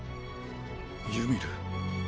ユミル。